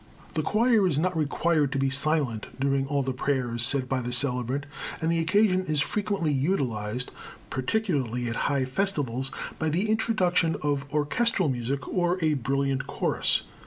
The choir is not required to be silent during all the prayers said by the celebrant, and the occasion is frequently utilized, particularly at high festivals, by the introduction of orchestral music or a brilliant chorus.